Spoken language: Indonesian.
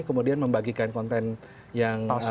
kemudian membagikan konten yang